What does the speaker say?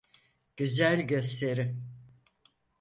Güzel gösteri.